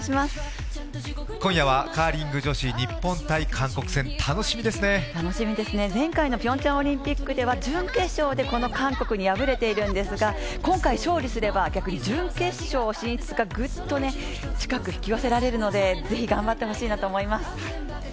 今夜はカーリング女子日本×韓国戦、前回のピョンチャンオリンピックでは準決勝でこの韓国に敗れているんですが、今回勝利すれば逆に準決勝進出がグッと近く引き寄せられるのでぜひ頑張ってほしいなと思います。